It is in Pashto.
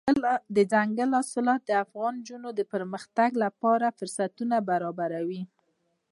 دځنګل حاصلات د افغان نجونو د پرمختګ لپاره فرصتونه برابروي.